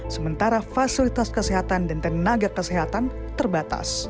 sementara fasilitas kesehatan dan tenaga kesehatan terbatas